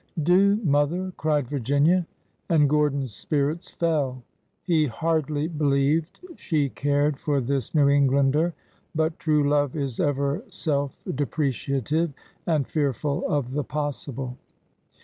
" Do, mother !" cried Virginia. And Gordon's spirits fell. He hardly believed she cared for this New Eng lander, but true love is ever self depreciative and fearful of the possible.